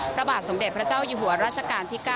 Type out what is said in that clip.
พระบาทสมเด็จพระเจ้าอยู่หัวราชการที่๙